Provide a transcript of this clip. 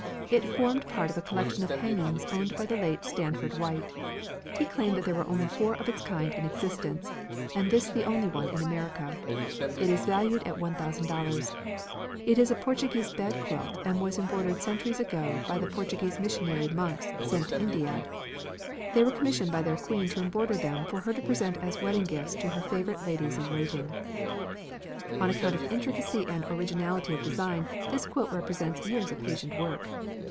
It formed part of a collection of hangings owned by the late Stanford White. He claimed there were only four of its kind in existence, and this the only one in America. It is valued at $1,000. It is a Portuguese bed quilt and was embroidered centuries ago by the Portuguese missionary monks sent to India. They were commissioned by their queen to embroider them for her to present as wedding gifts to her favourite ladies in waiting." On account of intricacy and originality of design this quilt represents years of patient work.